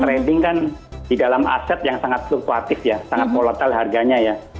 trading kan di dalam aset yang sangat fluktuatif ya sangat volatile harganya ya